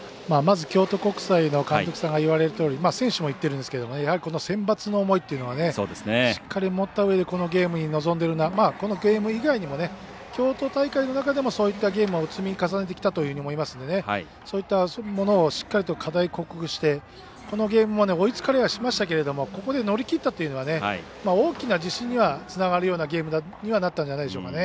京都国際の監督さんが言われるとおり選手も言ってるんですけどセンバツの思いっていうのはしっかり持ったうえでゲームに臨んでるなこのゲーム以外にも京都大会以外にもそういったゲームを積み重ねてきたというふうに思いますのでそういったものをしっかりと課題、克服して、このゲームは追いつかれはしましたけどもここで乗り切ったというのが大きな自信にはつながるようなゲームにはなったんじゃないでしょうかね。